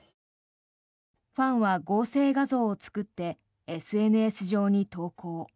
ファンは合成画像を作ってＳＮＳ上に投稿。